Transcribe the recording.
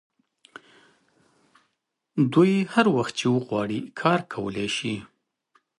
دوی هر وخت چې وغواړي کار کولی شي